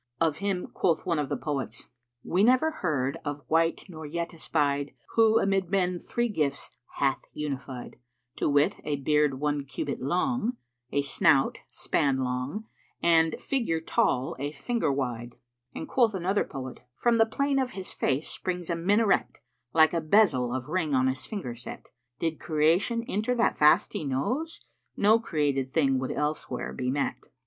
Of him quoth one of the poets, 'We never heard of wight nor yet espied * Who amid men three gifts hath unified: To wit, a beard one cubit long, a snout * Span long and figure tall a finger wide:' And quoth another poet, 'From the plain of his face springs a minaret * Like a bezel of ring on his finger set: Did creation enter that vasty nose * No created thing would elsewhere be met.'"